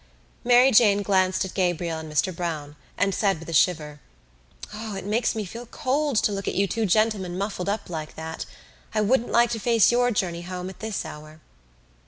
Mary Jane glanced at Gabriel and Mr Browne and said with a shiver: "It makes me feel cold to look at you two gentlemen muffled up like that. I wouldn't like to face your journey home at this hour."